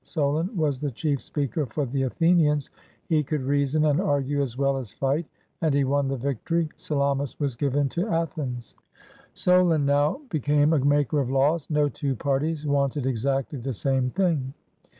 Solon was the chief speaker for the Athenians. He could reason and argue as well as fight; and he won the victory. Salamis was given to Athens. Solon now became a maker of laws. No two parties wanted exactly the same thing.